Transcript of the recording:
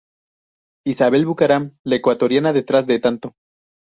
Isabel Bucaram, La ecuatoriana detrás de tanto.